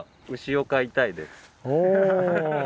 お！